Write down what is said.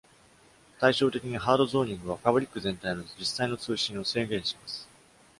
対照的に、ハードゾーニングはファブリック全体の実際の通信を制限します。